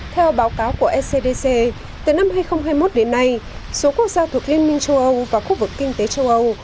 theo báo cáo của scdc từ năm hai nghìn hai mươi một đến nay số quốc gia thuộc liên minh châu âu và khu vực kinh tế châu âu